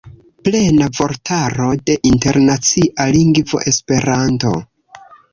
Plena vortaro de internacia lingvo Esperanto.